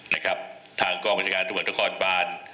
นะครับทางกองบริเวณการร่วมบริเวณการบาล